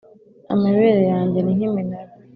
amabere yanjye ni nk’iminara;